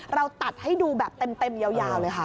เราตัดให้ดูแบบเต็มยาวเลยค่ะ